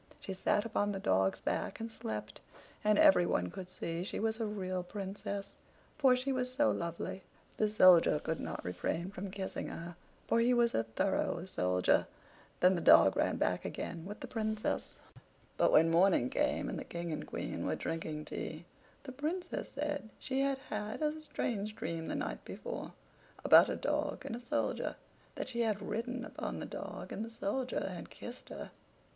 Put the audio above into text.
She sat upon the dogs back and slept; and everyone could see she was a real Princess, for she was so lovely. The Soldier could not refrain from kissing her, for he was a thorough soldier. Then the dog ran back again with the Princess. But when morning came, and the King and Queen were drinking tea, the Princess said she had had a strange dream the night before about a dog and a soldier—that she had ridden upon the dog, and the soldier had kissed her.